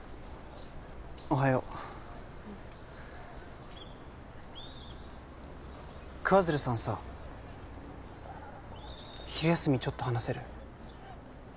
おはよう桑鶴さんさ昼休みちょっと話せる？